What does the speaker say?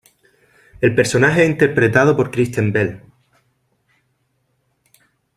El personaje es interpretado por Kristen Bell.